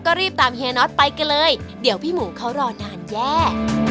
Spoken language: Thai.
ก็รีบตามเฮียน็อตไปกันเลยเดี๋ยวพี่หมูเขารอนานแย่